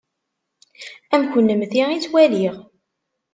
Am kennemti i ttwaliɣ.